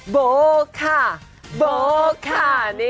โบค่ะโบค่ะ